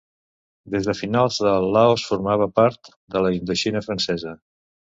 Des de finals del Laos formava part de la Indoxina francesa.